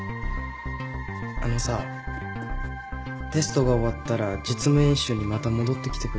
あのさテストが終わったら実務演習にまた戻ってきてくれ。